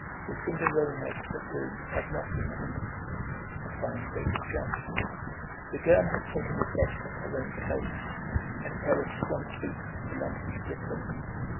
Lucinda Roanoke's room had not been entered, as far as they could judge. The girl had taken the best of her own clothes, and a pair of strong boots belonging to the cook.